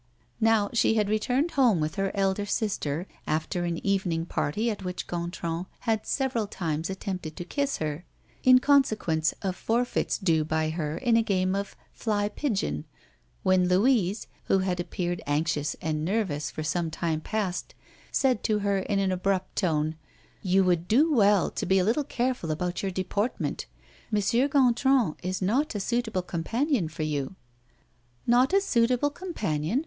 Now, she had returned home with her elder sister, after an evening party at which Gontran had several times attempted to kiss her in consequence of forfeits due by her in a game of "fly pigeon," when Louise, who had appeared anxious and nervous for some time past, said to her in an abrupt tone: "You would do well to be a little careful about your deportment. M. Gontran is not a suitable companion for you." "Not a suitable companion?